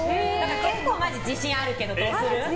結構マジ自信あるけどどうする？